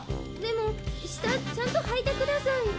でも下ちゃんとはいてください。